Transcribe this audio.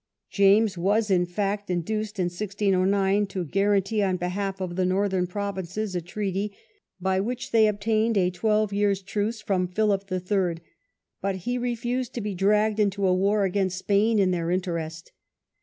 James was in fact induced in 1609 to guarantee, on behalf of the Northern provinces, a treaty by which they obtained a twelve years' truce from Philip III., but he refused to be dragged into a war against Spain in their interest.